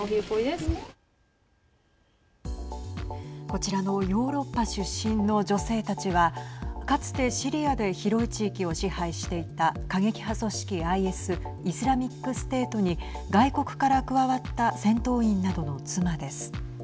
こちらのヨーロッパ出身の女性たちはかつてシリアで広い地域を支配していた過激派組織ＩＳ＝イスラミックステートに外国から加わった戦闘員などの妻です。